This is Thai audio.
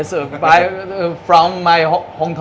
ซัมหุ้น